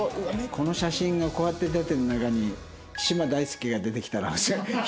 この写真がこうやって出てる中に嶋大輔が出てきたら引くだろうな。